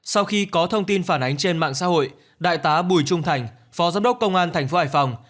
sau khi có thông tin phản ánh trên mạng xã hội đại tá bùi trung thành phó giám đốc công an thành phố hải phòng